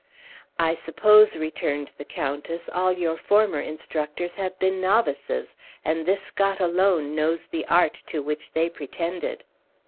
"I suppose," returned the countess, "all your former instructors have been novices, and this Scot alone knows the art to which they pretended."